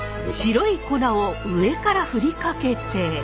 白い粉を上から振りかけて。